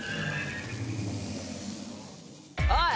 おい！